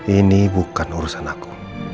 ini bukan urusan aku